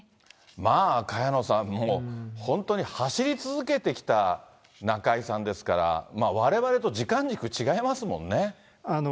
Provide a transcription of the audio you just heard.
まあ、萱野さん、もう本当に走り続けてきた中居さんですから、われわれと時間軸、違いますもんね。